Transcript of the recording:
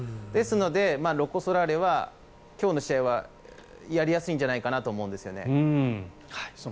ですのでロコ・ソラーレは今日の試合はやりやすいんじゃないかなと思うんですね。